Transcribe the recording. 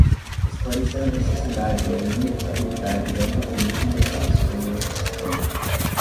esclarecer a necessidade e a inevitabilidade do antagonismo de classe sob esse sistema